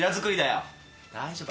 大丈夫。